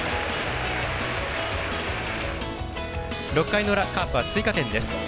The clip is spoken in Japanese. ６回の裏、カープは追加点です。